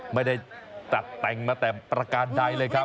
ไม่ได้ตัดแต่งมาแต่ประการใดเลยครับ